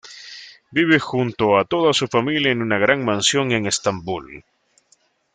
Vive junto a toda su familia en una gran mansión en Estambul.